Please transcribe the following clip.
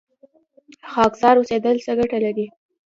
خاکسار اوسیدل څه ګټه لري؟